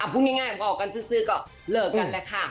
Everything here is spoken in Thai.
พูดง่ายบอกกันซื้อก็เลิกกันแหละค่ะ